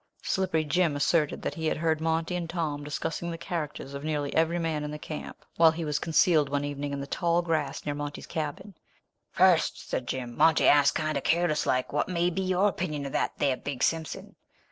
Slippery Jim asserted that he had heard Monty and Tom discuss the characters of nearly every man in the camp, while he was concealed one evening in the tall grass near Monty's cabin. "First," said Jim, "Monty asked kind o' careless like, 'What may be your opinion of that there Big Simpson?'